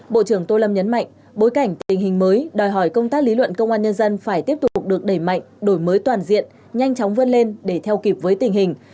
bộ trưởng tô lâm nhấn mạnh bối cảnh tình hình mới đòi hỏi công tác lý luận công an nhân dân phải tiếp tục được đẩy mạnh đổi mới toàn diện nhanh chóng vươn lên để theo kịp với tình hình